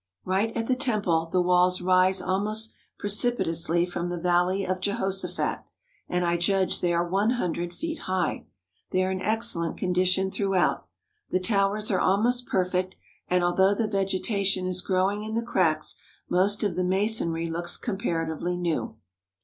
Right at the Temple the walls rise almost precipi tously from the Valley of Jehoshaphat, and I judge they are one hundred feet high. They are in excellent condi tion throughout. The towers are almost perfect, and, although the vegetation is growing in the cracks, most of the masonry looks comparatively new.